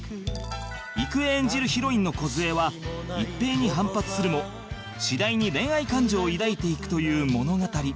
郁恵演じるヒロインの梢は一平に反発するも次第に恋愛感情を抱いていくという物語